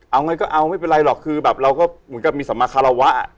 เอาไงก็เอาไม่เป็นไรหรอกคือแบบเราก็เหมือนกับมีสัมมาคารวะ